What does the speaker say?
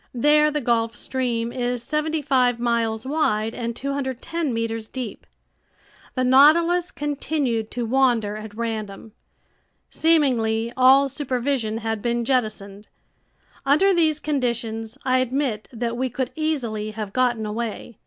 There the Gulf Stream is seventy five miles wide and 210 meters deep. The Nautilus continued to wander at random. Seemingly, all supervision had been jettisoned. Under these conditions I admit that we could easily have gotten away.